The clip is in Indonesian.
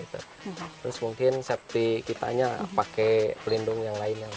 terus mungkin safety kita pakai pelindung yang lain